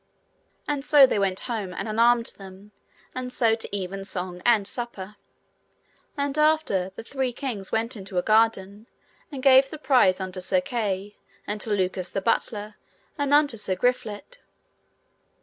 And so they went home and unarmed them, and so to evensong and supper. And after, the three kings went into a garden, and gave the prize unto Sir Kay, and to Lucas the butler, and unto Sir Griflet.